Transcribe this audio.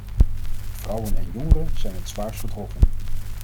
Vrouwen en jongeren zijn het zwaarst getroffen.